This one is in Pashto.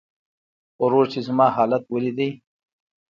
ورور چې زما حالت وليده .